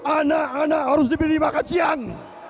anak anak harus diberi makan siang